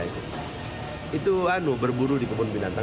itu berburu di kebun binatang